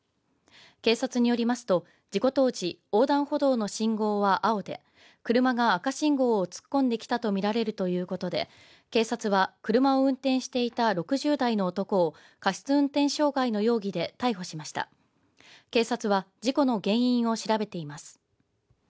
警察によりますと事故当時横断歩道の信号は青で車が赤信号を突っ込んできたと見られるということで警察は車を運転していた６０代の男を過失運転傷害の容疑で逮捕しました警察は事故の原因を調べています